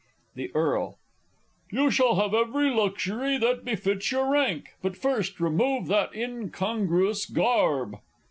The E. You shall have every luxury that befits your rank, but first remove that incongruous garb.